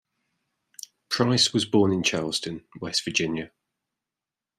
Price was born in Charleston, West Virginia.